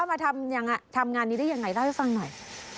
มาทำงานนี้ได้ยังไงเล่าให้ฟังหน่อย